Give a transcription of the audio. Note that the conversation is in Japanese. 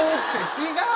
違う。